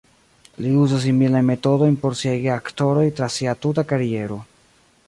Li uzos similajn metodojn por siaj geaktoroj tra sia tuta kariero.